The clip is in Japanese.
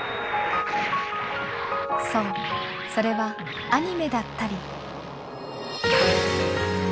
そうそれはアニメだったり。